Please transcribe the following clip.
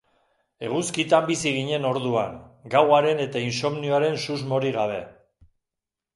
Eguzkitan bizi ginen orduan, gauaren eta insomnioaren susmorik gabe.